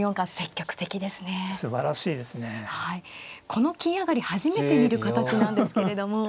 この金上がり初めて見る形なんですけれども。